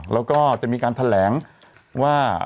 แล้วก็จะมีการแถลงว่า